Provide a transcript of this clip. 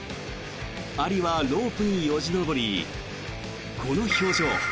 アリはロープによじ登りこの表情。